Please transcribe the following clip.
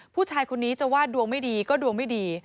ผู้ชายคนนี้จะว่าดวงไม่ดีก็ดวงไม่ดี